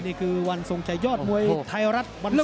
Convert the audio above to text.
นี่คือวันทรงชัยยอดมวยไทยรัฐวันทรงชัย